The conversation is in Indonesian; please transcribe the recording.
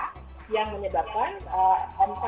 mempengaruhi tapi kita tidak bisa mengukur